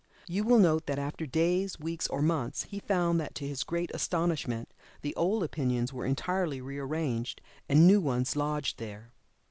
You will note that after days, weeks, or months, he found that to his great astonishment the old opinions were entirely rearranged, and new ones lodged there.